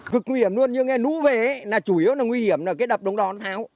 cực nguy hiểm luôn như nghe nú về chủ yếu là nguy hiểm là cái đập đống đó nó tháo